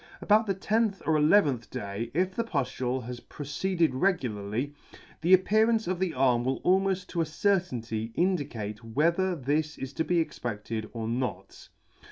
About the tenth or eleventh day, if the puftule has proceeded regularly, the appearance of the arm will almofl to a certainty indicate whether this is to be expedted or not.